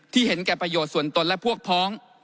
เห็นแก่ประโยชน์ส่วนตนและพวกพ้อง